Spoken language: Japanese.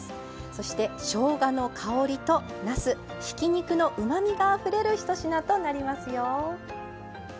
そしてしょうがの香りとなすひき肉のうまみがあふれるひと品となりますよ。